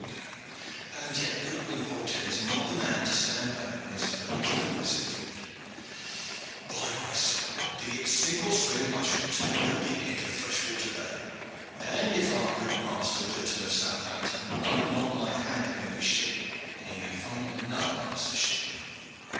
And yet Goodwin Hawtayne is not the man to stand back when his fellows are for pressing forward. By my soul! be it sink or swim, I shall turn her beak into Freshwater Bay, and if good Master Witherton, of Southampton, like not my handling of his ship then he may find another master shipman."